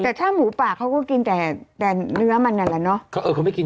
แต่ถ้าหมูป่าเขาก็กินแต่แต่เนื้อมันนั่นแหละเนอะ